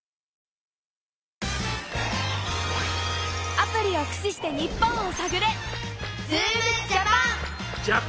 アプリをくしして日本をさぐれ！